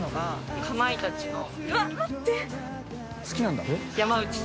好きなんだ。